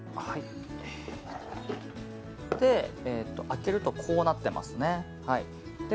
開けるとこうなってます。